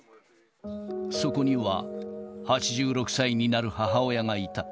そこには８６歳になる母親がいた。